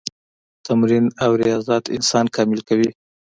تمرین او ریاضت انسان کامل کوي.